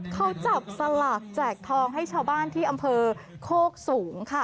เขาจับสลากแจกทองให้ชาวบ้านที่อำเภอโคกสูงค่ะ